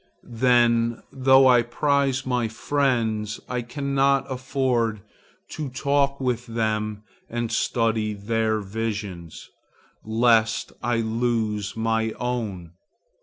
Then, though I prize my friends, I cannot afford to talk with them and study their visions, lest I lose my own.